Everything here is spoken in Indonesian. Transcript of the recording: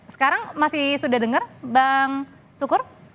sekarang masih sudah dengar bang sukur